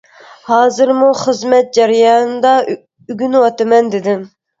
ھازىرمۇ خىزمەت جەريانىدا ئۆگىنىۋاتىمەن، — دېدىم.